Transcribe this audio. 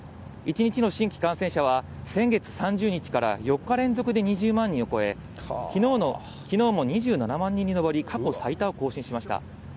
１日の新規感染者は、先月３０日から４日連続で２０万人を超え、きのうも２７万人に上り、過去最多を更新しました。